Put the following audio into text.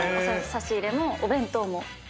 差し入れもお弁当も。